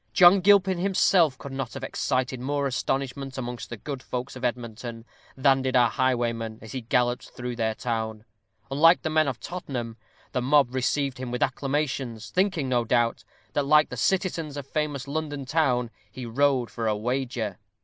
John Gilpin himself could not have excited more astonishment amongst the good folks of Edmonton, than did our highwayman as he galloped through their town. Unlike the men of Tottenham, the mob received him with acclamations, thinking, no doubt, that, like "the citizens of famous London town," he rode for a wager.